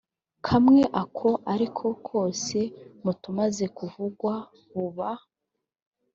kamwe ako ariko kose mu tumaze kuvugwa buba